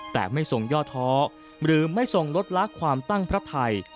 แต่ไม่ทรงย่อท้อหรือไม่ทรงลดลักความตั้งพระไทย